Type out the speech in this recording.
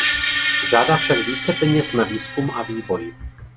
Žádá však více peněz na výzkum a vývoj.